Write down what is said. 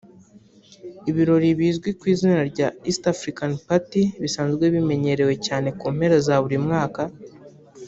Ibirori bizwi ku izina rya East African Party bisanzwe bimenyerewe cyane ku mpera za buri mwaka